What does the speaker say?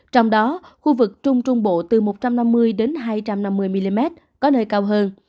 trong đó khu vực trung trung bộ từ một trăm năm mươi đến hai trăm năm mươi mm có nơi cao hơn